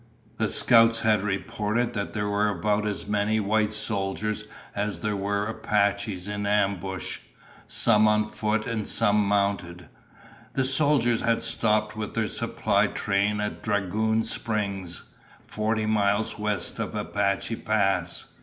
The scouts had reported that there were about as many white soldiers as there were Apaches in ambush, some on foot and some mounted. The soldiers had stopped with their supply train at Dragoon Springs, forty miles west of Apache Pass.